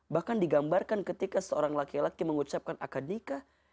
bahkan digambarkan ketika seorang laki laki mengucapkan akad nikah